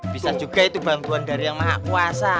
bisa juga itu bantuan dari yang maha kuasa